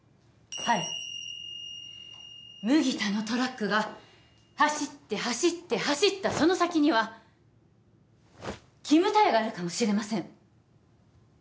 はい麦田のトラックが走って走って走ったその先にはキムタヤがあるかもしれません